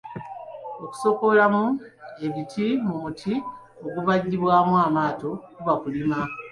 Okusokoolamu ebiti mu muti ogubajjibwamu amaato kuba kulima